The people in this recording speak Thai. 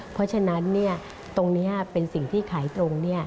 เพราะฉะนั้นตรงนี้เป็นสิ่งที่ขายตรง